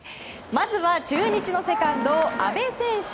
まずは中日のセカンド阿部選手。